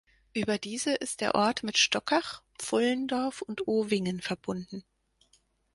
Über diese ist der Ort mit Stockach, Pfullendorf und Owingen verbunden.